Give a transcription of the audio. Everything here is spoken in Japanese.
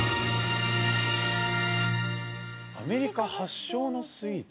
アメリカ発祥のスイーツ？